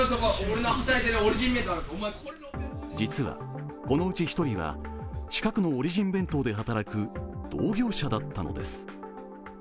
実は、このうち１人は近くのオリジン弁当で働く同業者だったのです。